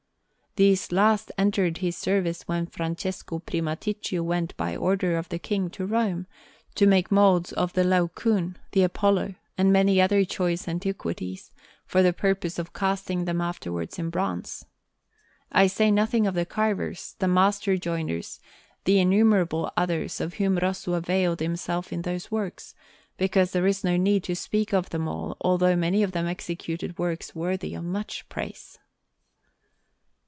These last entered his service when Francesco Primaticcio went by order of the King to Rome, to make moulds of the Laocoon, the Apollo, and many other choice antiquities, for the purpose of casting them afterwards in bronze. I say nothing of the carvers, the master joiners, and innumerable others of whom Rosso availed himself in those works, because there is no need to speak of them all, although many of them executed works worthy of much praise.